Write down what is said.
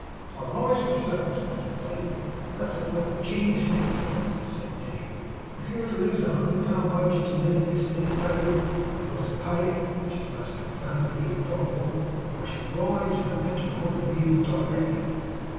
'I rise with circumstances, David. That's a point of genius in itself,' said Tigg. 'If you were to lose a hundred pound wager to me at this minute David, and were to pay it (which is most confoundedly improbable), I should rise, in a mental point of view, directly.